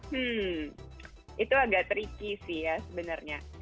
hmm itu agak tricky sih ya sebenarnya